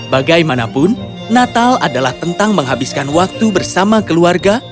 bagaimanapun natal adalah tentang menghabiskan waktu bersama keluarga